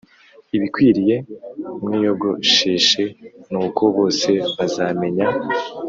ibikwiriye mwiyogosheshe Nuko bose bazamenya